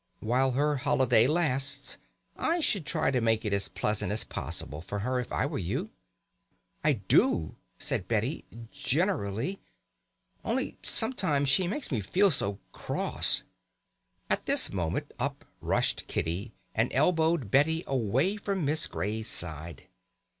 While her holiday lasts I should try to make it as pleasant as possible for her, if I were you." "I do," said Betty, "generally. Only sometimes she makes me feel so cross." At this moment up rushed Kitty, and elbowed Betty away from Miss Grey's side.